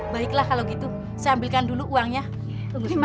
baiklah kalau gitu saya ambilkan dulu uangnya tunggu sebentar